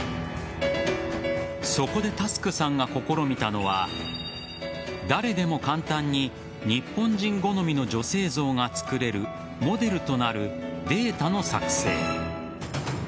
そこでタスクさんが試みたのは誰でも簡単に日本人好みの女性像がつくれるモデルとなるデータの作成。